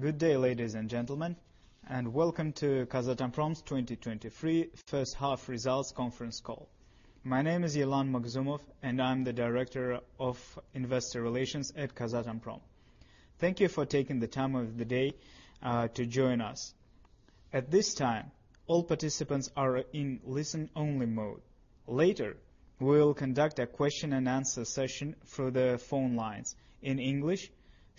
Good day, ladies and gentlemen, and welcome to Kazatomprom's 2023 first half results conference call. My name is Yerlan Magzumov, and I'm the Director of Investor Relations at Kazatomprom. Thank you for taking the time of the day to join us. At this time, all participants are in listen-only mode. Later, we will conduct a question-and-answer session through the phone lines in English,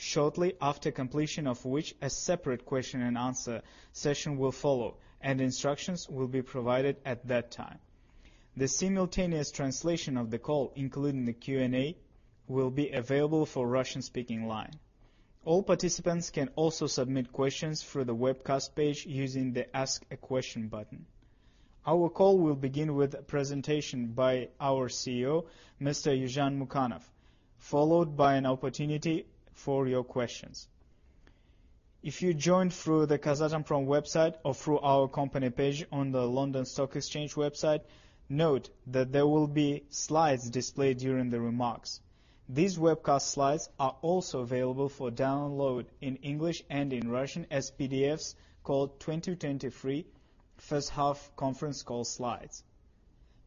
shortly after completion of which, a separate question-and-answer session will follow, and instructions will be provided at that time. The simultaneous translation of the call, including the Q&A, will be available for Russian-speaking line. All participants can also submit questions through the webcast page using the Ask a Question button. Our call will begin with a presentation by our CEO, Mr. Yerzhan Mukanov, followed by an opportunity for your questions. If you joined through the Kazatomprom website or through our company page on the London Stock Exchange website, note that there will be slides displayed during the remarks. These webcast slides are also available for download in English and in Russian as PDFs called 2023 First Half Conference Call Slides.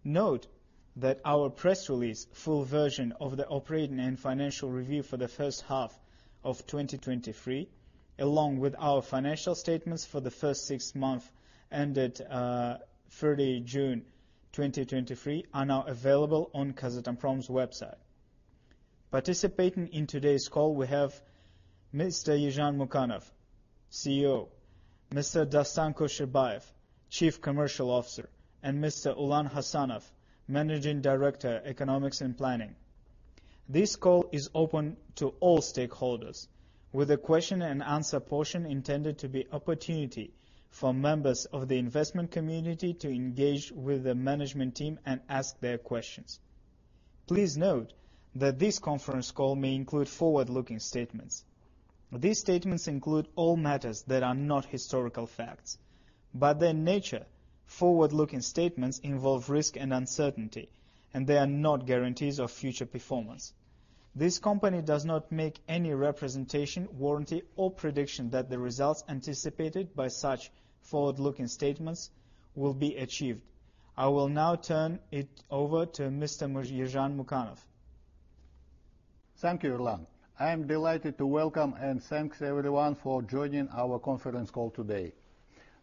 Note that our press release, full version of the operating and financial review for the first half of 2023, along with our financial statements for the first six months ended, 30 June 2023, are now available on Kazatomprom's website. Participating in today's call, we have Mr. Yerzhan Mukanov, CEO, Mr. Dastan Kosherbayev, Chief Commercial Officer, and Mr. Ulan Khassanov, Managing Director, Economics and Planning. This call is open to all stakeholders, with a question-and-answer portion intended to be opportunity for members of the investment community to engage with the management team and ask their questions. Please note that this conference call may include forward-looking statements. These statements include all matters that are not historical facts, but their nature, forward-looking statements involve risk and uncertainty, and they are not guarantees of future performance. This company does not make any representation, warranty, or prediction that the results anticipated by such forward-looking statements will be achieved. I will now turn it over to Mr. Yerzhan Mukanov. Thank you, Yerlan. I am delighted to welcome and thank everyone for joining our conference call today.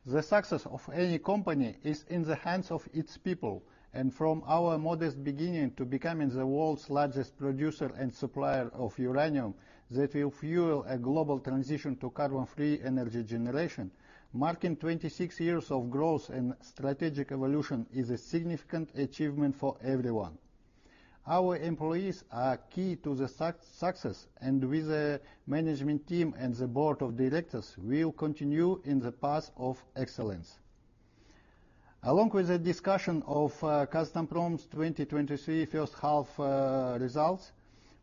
The success of any company is in the hands of its people, and from our modest beginning to becoming the world's largest producer and supplier of uranium, that will fuel a global transition to carbon-free energy generation, marking 26 years of growth and strategic evolution is a significant achievement for everyone. Our employees are key to the success, and with the management team and the board of directors, we will continue in the path of excellence. Along with the discussion of Kazatomprom's 2023 first half results,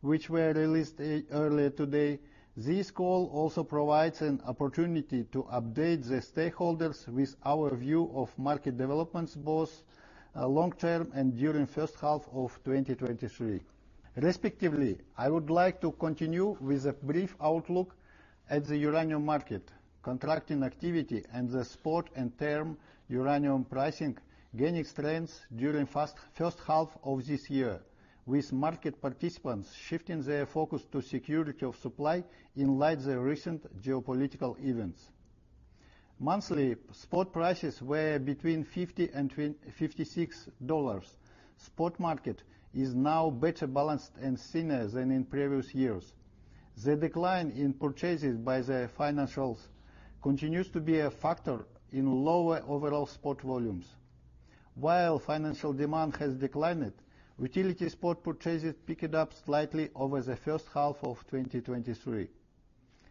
which were released earlier today, this call also provides an opportunity to update the stakeholders with our view of market developments, both long-term and during first half of 2023. Respectively, I would like to continue with a brief outlook at the uranium market, contracting activity and the spot and term uranium pricing, gaining strength during first half of this year, with market participants shifting their focus to security of supply in light of the recent geopolitical events. Monthly, spot prices were between $50 and $56. Spot market is now better balanced and thinner than in previous years. The decline in purchases by the financials continues to be a factor in lower overall spot volumes. While financial demand has declined, utility spot purchases picked up slightly over the first half of 2023.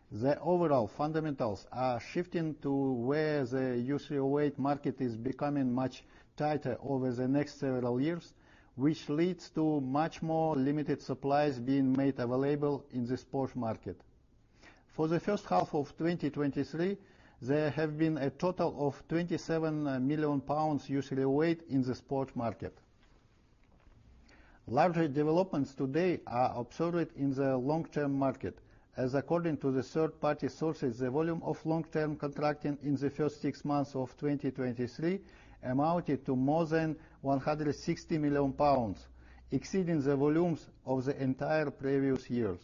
The overall fundamentals are shifting to where the U₃O₈ market is becoming much tighter over the next several years, which leads to much more limited supplies being made available in the spot market. For the first half of 2023, there have been a total of 27 million pounds U₃O₈ in the spot market. Larger developments today are observed in the long-term market, as according to the third-party sources, the volume of long-term contracting in the first six months of 2023 amounted to more than 160 million pounds, exceeding the volumes of the entire previous years.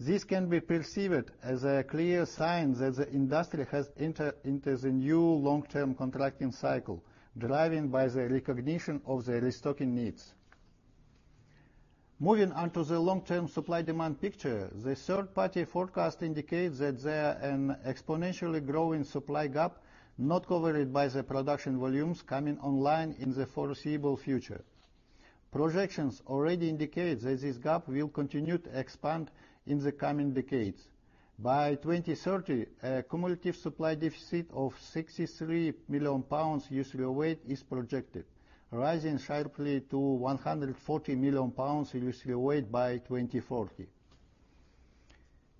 This can be perceived as a clear sign that the industry has entered into the new long-term contracting cycle, driven by the recognition of the restocking needs. Moving on to the long-term supply-demand picture, the third-party forecast indicates that there an exponentially growing supply gap not covered by the production volumes coming online in the foreseeable future. Projections already indicate that this gap will continue to expand in the coming decades. By 2030, a cumulative supply deficit of 63 million pounds U₃O₈ is projected, rising sharply to 140 million pounds U₃O₈ by 2040.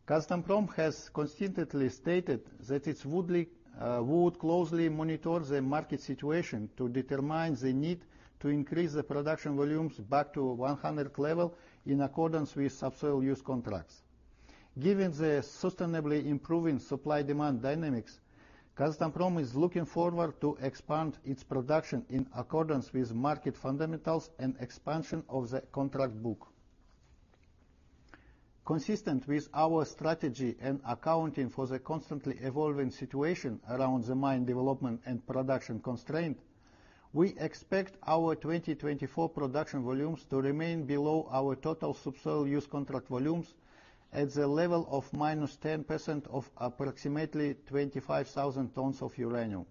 Kazatomprom has consistently stated that it would closely monitor the market situation to determine the need to increase the production volumes back to 100 level in accordance with Subsoil Use Contracts... Given the sustainably improving supply-demand dynamics, Kazatomprom is looking forward to expand its production in accordance with market fundamentals and expansion of the contract book. Consistent with our strategy and accounting for the constantly evolving situation around the mine development and production constraint, we expect our 2024 production volumes to remain below our total Subsoil Use Contracts volumes at the level of -10% of approximately 25,000 tons of uranium.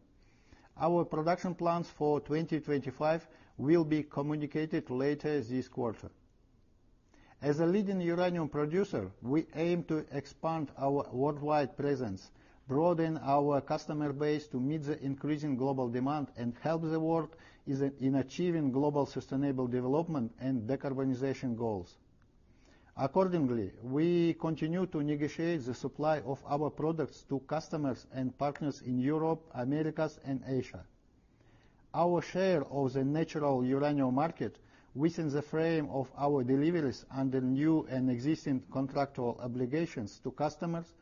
Our production plans for 2025 will be communicated later this quarter. As a leading uranium producer, we aim to expand our worldwide presence, broaden our customer base to meet the increasing global demand, and help the world in achieving global sustainable development and decarbonization goals. Accordingly, we continue to negotiate the supply of our products to customers and partners in Europe, Americas, and Asia. Our share of the natural uranium market within the frame of our deliveries under new and existing contractual obligations to customers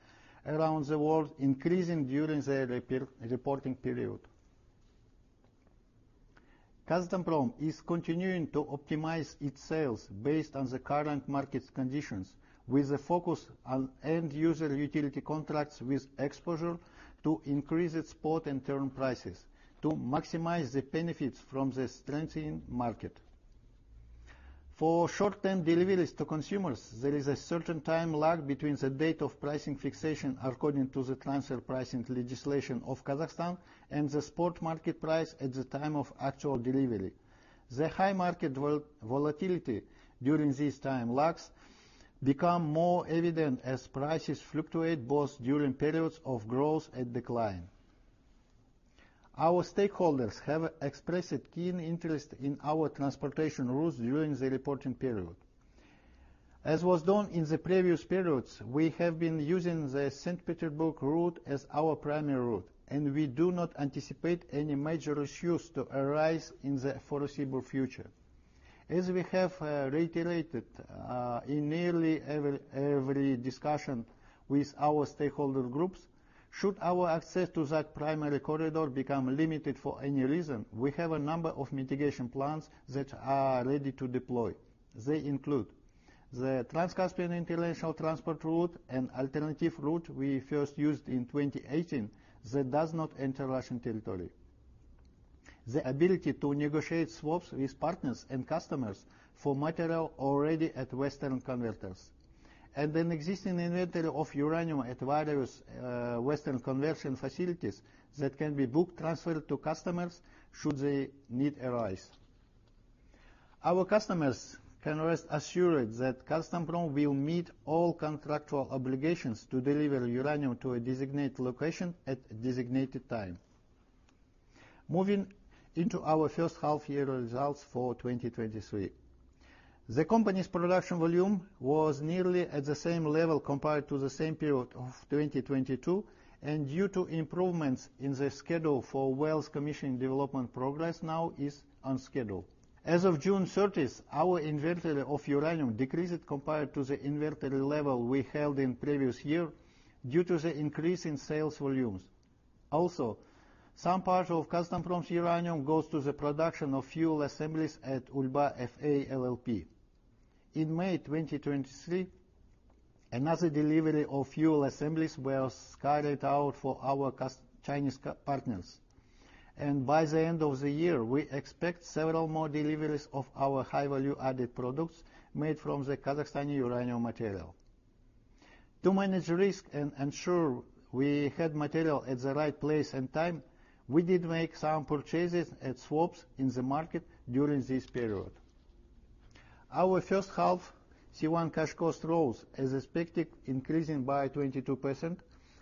around the world, increasing during the reporting period. Kazatomprom is continuing to optimize its sales based on the current market conditions, with a focus on end-user utility contracts with exposure to increased spot and term prices to maximize the benefits from the strengthening market. For short-term deliveries to consumers, there is a certain time lag between the date of pricing fixation according to the transfer pricing legislation of Kazakhstan and the spot market price at the time of actual delivery. The high market volatility during this time lags become more evident as prices fluctuate both during periods of growth and decline. Our stakeholders have expressed keen interest in our transportation routes during the reporting period. As was done in the previous periods, we have been using the Saint Petersburg route as our primary route, and we do not anticipate any major issues to arise in the foreseeable future. As we have reiterated in nearly every discussion with our stakeholder groups, should our access to that primary corridor become limited for any reason, we have a number of mitigation plans that are ready to deploy. They include the Trans-Caspian International Transport Route, an alternative route we first used in 2018 that does not enter Russian territory, the ability to negotiate swaps with partners and customers for material already at Western converters, and an existing inventory of uranium at various Western conversion facilities that can be book transferred to customers should the need arise. Our customers can rest assured that Kazatomprom will meet all contractual obligations to deliver uranium to a designated location at a designated time. Moving into our first half-year results for 2023. The company's production volume was nearly at the same level compared to the same period of 2022, and due to improvements in the schedule for wells commissioning development progress now is on schedule. As of June 30, our inventory of uranium decreased compared to the inventory level we held in previous year due to the increase in sales volumes. Also, some part of Kazatomprom's uranium goes to the production of fuel assemblies at Ulba-FA LLP. In May 2023, another delivery of fuel assemblies were carried out for our Chinese partners, and by the end of the year, we expect several more deliveries of our high-value-added products made from the Kazakhstani uranium material. To manage risk and ensure we had material at the right place and time, we did make some purchases and swaps in the market during this period. Our first half C1 cash cost rose as expected, increasing by 22%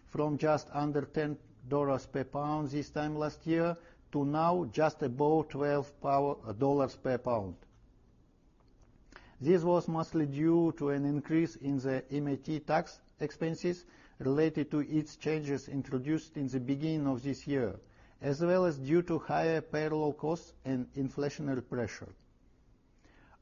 from just under $10 per pound this time last year to now just above $12 per pound. This was mostly due to an increase in the MAT tax expenses related to its changes introduced in the beginning of this year, as well as due to higher parallel costs and inflationary pressure.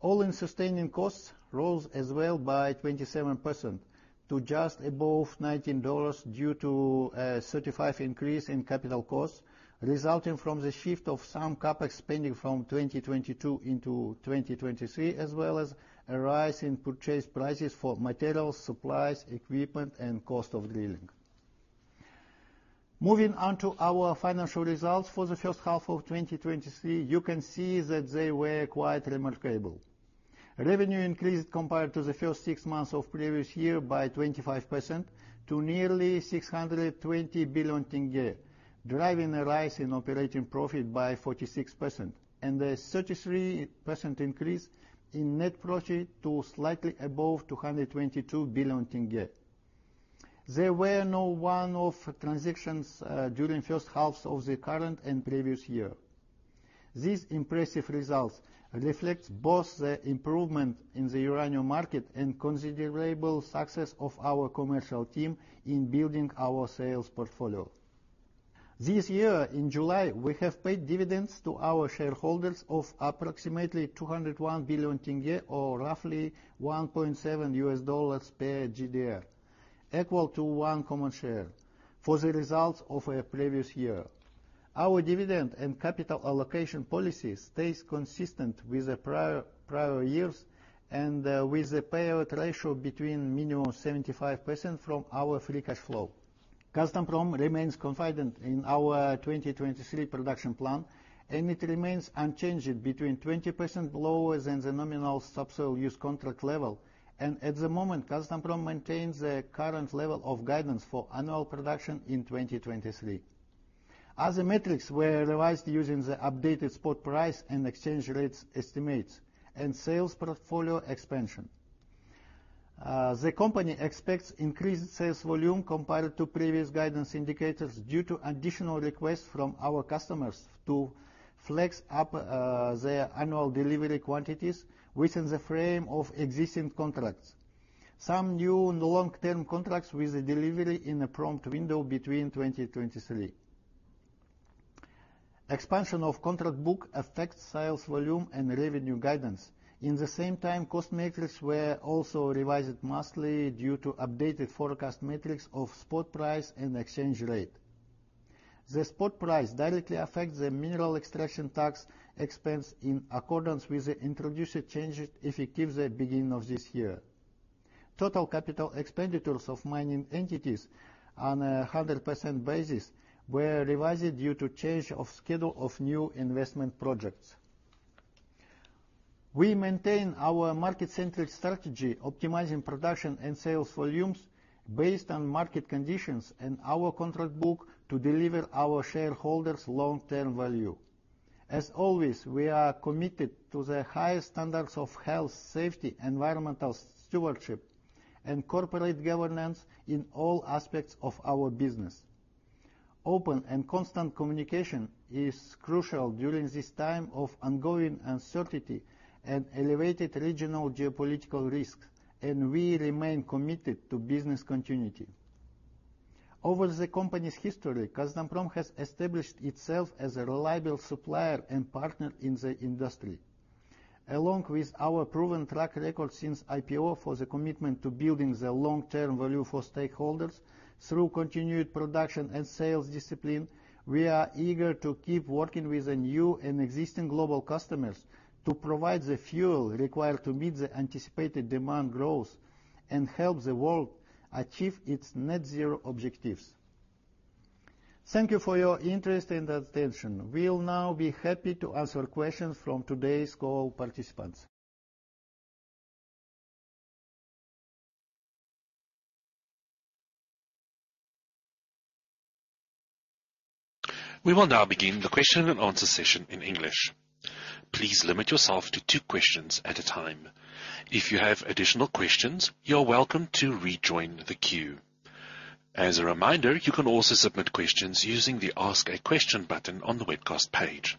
All-in sustaining costs rose as well by 27% to just above $19 due to a certified increase in capital costs, resulting from the shift of some CapEx spending from 2022 into 2023, as well as a rise in purchase prices for materials, supplies, equipment, and cost of drilling. Moving on to our financial results for the first half of 2023, you can see that they were quite remarkable. Revenue increased compared to the first six months of previous year by 25% to nearly KZT 620 billion, driving a rise in operating profit by 46%, and a 33% increase in net profit to slightly above KZT 222 billion. There were no one-off transactions during first half of the current and previous year. These impressive results reflect both the improvement in the uranium market and considerable success of our commercial team in building our sales portfolio.... This year, in July, we have paid dividends to our shareholders of approximately KZT 201 billion, or roughly $1.7 per GDR, equal to one common share for the results of a previous year. Our dividend and capital allocation policy stays consistent with the prior, prior years and with the payout ratio between minimum 75% from our free cash flow. Kazatomprom remains confident in our 2023 production plan, and it remains unchanged between 20% lower than the nominal subsoil use contract level. At the moment, Kazatomprom maintains the current level of guidance for annual production in 2023. Other metrics were revised using the updated spot price and exchange rates estimates and sales portfolio expansion. The company expects increased sales volume compared to previous guidance indicators due to additional requests from our customers to flex up their annual delivery quantities within the frame of existing contracts. Some new long-term contracts with the delivery in a prompt window between 2023. Expansion of contract book affects sales volume and revenue guidance. At the same time, cost metrics were also revised, mostly due to updated forecast metrics of spot price and exchange rate. The spot price directly affects the Mineral Extraction Tax expense in accordance with the introduced changes effective the beginning of this year. Total capital expenditures of mining entities on a 100% basis were revised due to change of schedule of new investment projects. We maintain our market-centric strategy, optimizing production and sales volumes based on market conditions and our contract book to deliver our shareholders long-term value. As always, we are committed to the highest standards of health, safety, environmental stewardship, and corporate governance in all aspects of our business. Open and constant communication is crucial during this time of ongoing uncertainty and elevated regional geopolitical risks, and we remain committed to business continuity. Over the company's history, Kazatomprom has established itself as a reliable supplier and partner in the industry. Along with our proven track record since IPO for the commitment to building the long-term value for stakeholders through continued production and sales discipline, we are eager to keep working with the new and existing global customers to provide the fuel required to meet the anticipated demand growth and help the world achieve its net zero objectives. Thank you for your interest and attention. We'll now be happy to answer questions from today's call participants. We will now begin the question and answer session in English. Please limit yourself to two questions at a time. If you have additional questions, you're welcome to rejoin the queue. As a reminder, you can also submit questions using the Ask a Question button on the webcast page.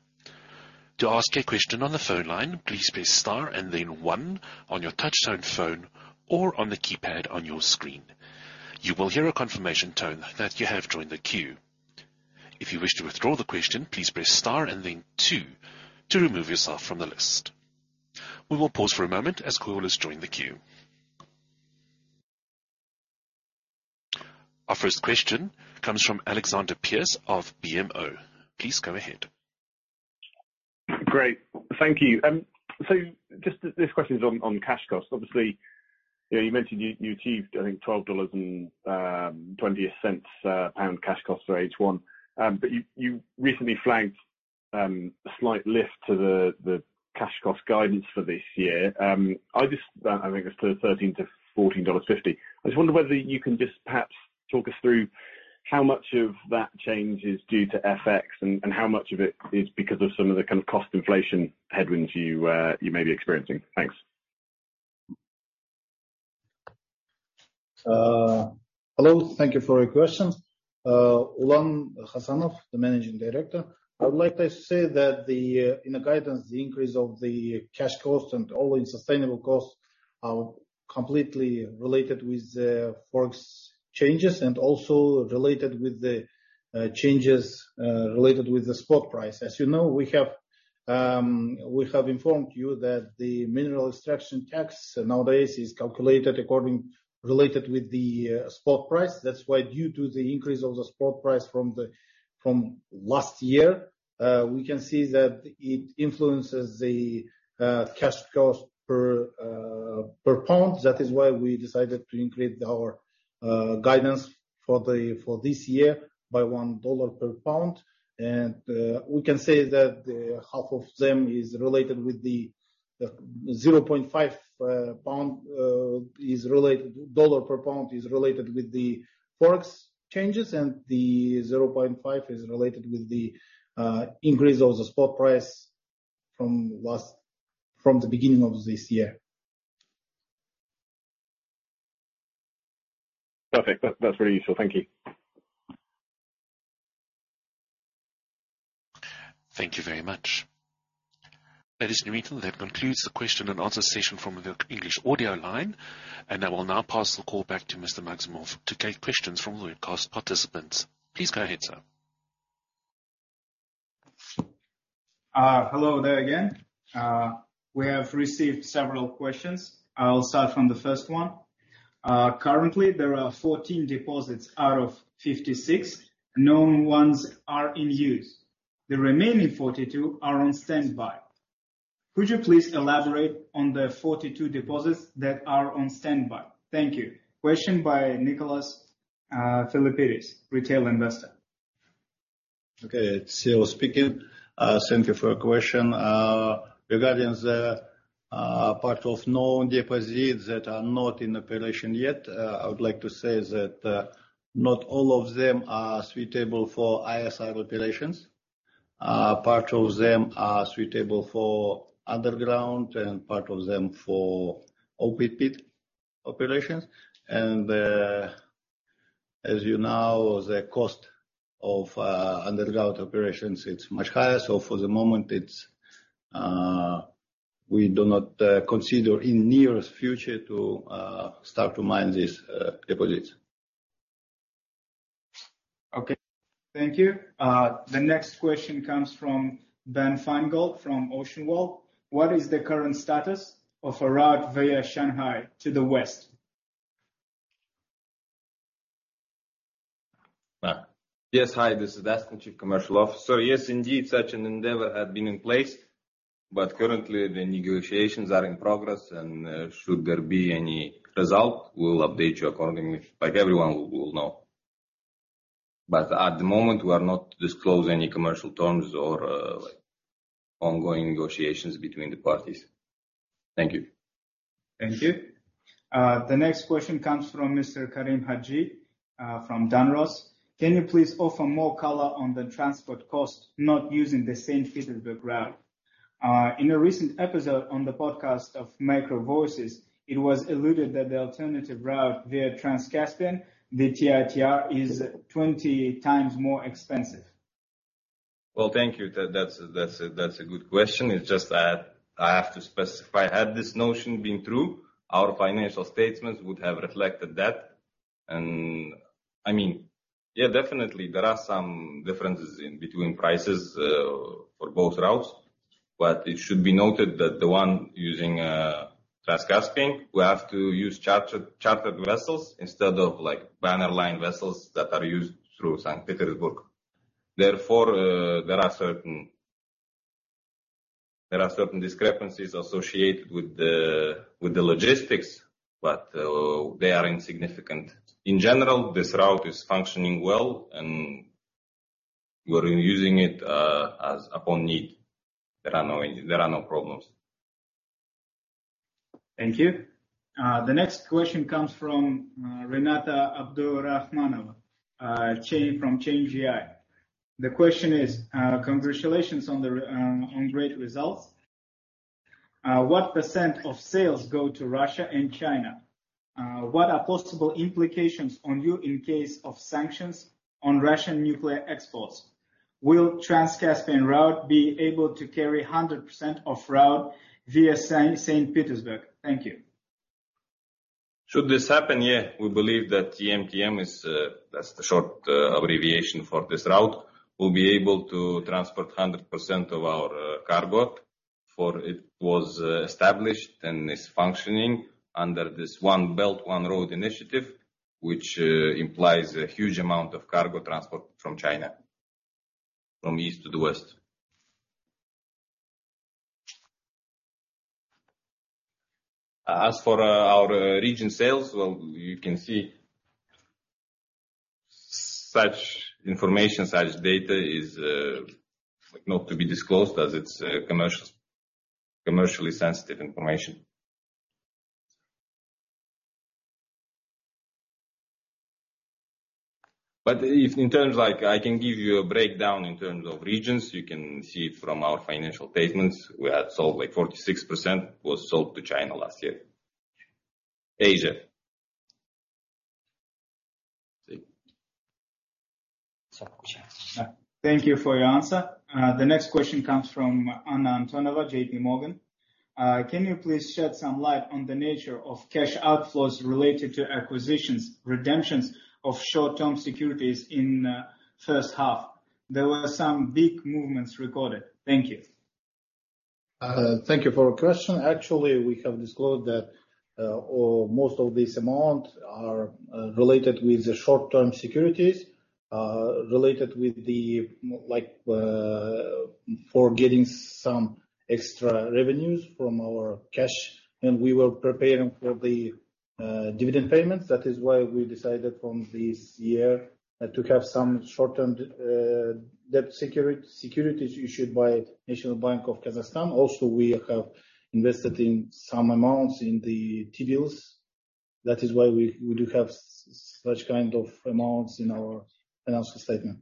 To ask a question on the phone line, please press star and then one on your touch-tone phone or on the keypad on your screen. You will hear a confirmation tone that you have joined the queue. If you wish to withdraw the question, please press star and then two to remove yourself from the list. We will pause for a moment as callers join the queue. Our first question comes from Alexander Pearce of BMO. Please go ahead. Great. Thank you. So just this question is on, on cash costs. Obviously, you know, you mentioned you, you achieved, I think, $12.20 per pound cash costs for H1. But you, you recently flagged a slight lift to the, the cash cost guidance for this year. I just... I think it's $13-$14.50. I just wonder whether you can just perhaps talk us through how much of that change is due to FX and, and how much of it is because of some of the kind of cost inflation headwinds you, you may be experiencing. Thanks. Hello. Thank you for your question. Ulan Khassanov, the managing director. I would like to say that, in the guidance, the increase of the cash cost and all the sustaining costs are completely related with the forex changes and also related with the changes related with the spot price. As you know, we have informed you that the Mineral Extraction Tax nowadays is calculated according, related with the spot price. That's why, due to the increase of the spot price from last year, we can see that it influences the cash cost per pound. That is why we decided to increase our guidance for this year by $1 per pound. And we can say that half of them is related with the... $0.5 per pound is related with the Forex changes, and the 0.5 is related with the increase of the spot price from the beginning of this year. Perfect. That, that's very useful. Thank you. Thank you very much. Ladies and gentlemen, that concludes the question and answer session from the English audio line, and I will now pass the call back to Mr. Magzumov to take questions from the webcast participants. Please go ahead, sir. Hello there again. We have received several questions. I'll start from the first one. Currently, there are 14 deposits out of 56, known ones are in use. The remaining 42 are on standby. Could you please elaborate on the 42 deposits that are on standby? Thank you. Question by Nicholas Philippidis, retail investor. Okay, it's CEO speaking. Thank you for your question. Regarding the part of known deposits that are not in operation yet, I would like to say that not all of them are suitable for ISR operations. Part of them are suitable for underground and part of them for open pit operations. And as you know, the cost of underground operations, it's much higher. So for the moment, it's we do not consider in nearest future to start to mine this deposits. Okay. Thank you. The next question comes from Ben Feingold, from Ocean Wall. What is the current status of a route via Shanghai to the West? Yes. Hi, this is Dastan Kosherbayev, Chief Commercial Officer. Yes, indeed, such an endeavor had been in place, but currently, the negotiations are in progress, and should there be any result, we'll update you accordingly. Like, everyone will know. But at the moment, we are not disclose any commercial terms or ongoing negotiations between the parties. Thank you. Thank you. The next question comes from Mr. Karim Haji from Danros. Can you please offer more color on the transport cost, not using the same Saint Petersburg route? In a recent episode on the podcast of Micro Voices, it was alluded that the alternative route via Trans-Caspian, the TITR, is 20 times more expensive. Well, thank you. That's a good question. It's just that I have to specify. Had this notion been true, our financial statements would have reflected that. And I mean, yeah, definitely there are some differences in between prices for both routes, but it should be noted that the one using Trans-Caspian, we have to use chartered vessels instead of, like, banner line vessels that are used through Saint Petersburg. Therefore, there are certain discrepancies associated with the logistics, but they are insignificant. In general, this route is functioning well, and we're using it as upon need. There are no problems. Thank you. The next question comes from Renata Abdurahmanova, Chain from Chain GI. The question is, congratulations on great results. What % of sales go to Russia and China? What are possible implications on you in case of sanctions on Russian nuclear exports? Will Transcaspian Route be able to carry 100% of route via Saint Petersburg? Thank you. Should this happen, yeah, we believe that TMTM is, that's the short, abbreviation for this route, will be able to transport 100% of our, cargo, for it was, established and is functioning under this One Belt, One Road initiative, which, implies a huge amount of cargo transport from China, from East to the West. As for, our, region sales, well, you can see such information, such data is, not to be disclosed as it's, commercially sensitive information. But if in terms like I can give you a breakdown in terms of regions, you can see from our financial statements, we had sold, like, 46% was sold to China last year. Asia. Thank you for your answer. The next question comes from Anna Antonova, JPMorgan. Can you please shed some light on the nature of cash outflows related to acquisitions, redemptions of short-term securities in first half? There were some big movements recorded. Thank you. Thank you for your question. Actually, we have disclosed that, or most of this amount are, related with the short-term securities, related with the like, for getting some extra revenues from our cash, and we were preparing for the, dividend payments. That is why we decided from this year to have some short-term, debt securities issued by National Bank of Kazakhstan. Also, we have invested in some amounts in the T-Bills. That is why we, we do have such kind of amounts in our financial statement. Thank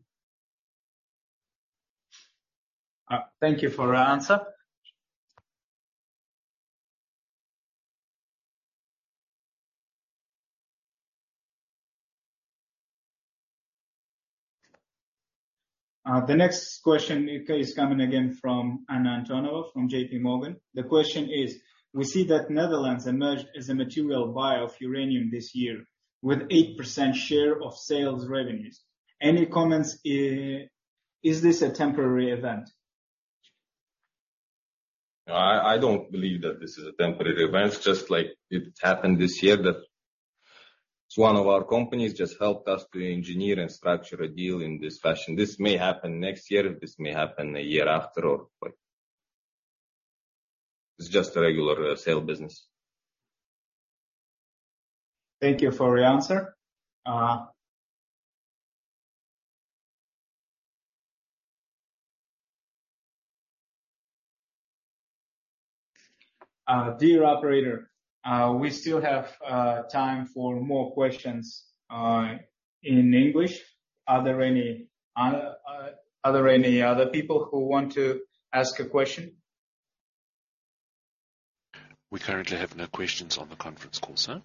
you for your answer. The next question, Nika, is coming again from Anna Antonova from JPMorgan. The question is: We see that Netherlands emerged as a material buyer of uranium this year with 8% share of sales revenues. Any comments? Is this a temporary event? I don't believe that this is a temporary event, just like it happened this year, that one of our companies just helped us to engineer and structure a deal in this fashion. This may happen next year, this may happen a year after or... It's just a regular sale business. Thank you for your answer. Dear operator, we still have time for more questions in English. Are there any other people who want to ask a question? We currently have no questions on the conference call, sir.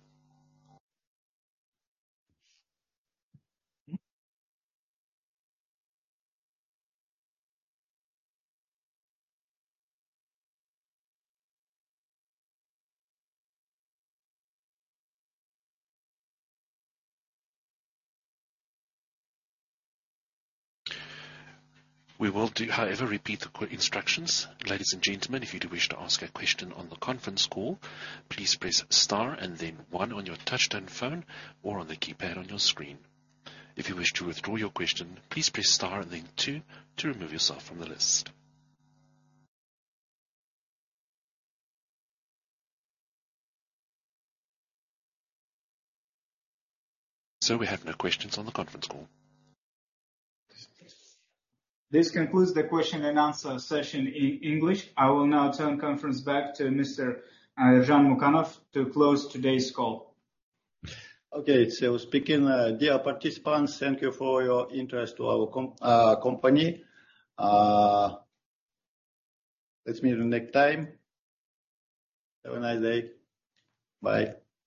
We will do, however, repeat the quick instructions. Ladies and gentlemen, if you do wish to ask a question on the conference call, please press star and then one on your touchtone phone or on the keypad on your screen. If you wish to withdraw your question, please press star and then two to remove yourself from the list. Sir, we have no questions on the conference call. This concludes the question and answer session in English. I will now turn the conference back to Mr. Yerzhan Mukanov to close today's call. Okay, so speaking, dear participants, thank you for your interest to our company. Let's meet next time. Have a nice day. Bye.